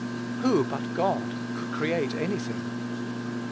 Who but "God" could "create" any thing.